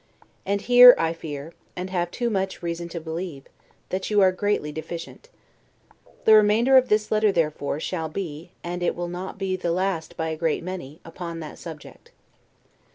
And here I fear, and have too much reason to believe, that you are greatly deficient. The remainder of this letter, therefore, shall be (and it will not be the last by a great many) upon that subject.